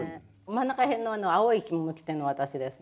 真ん中辺の青い着物を着てるのが私です。